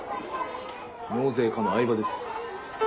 納税課の饗庭です。